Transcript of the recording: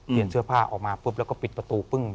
เสื้อผ้าออกมาปุ๊บแล้วก็ปิดประตูปึ้ง